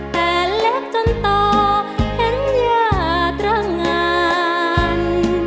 แผ่นเล็กจนต่อเห็นยาตรงอ่าน